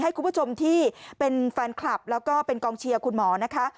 ให้คุณผู้ชมที่เป็นแฟนคลับแล้วก็เป็นกองเชียร์คุณหมอนะคะ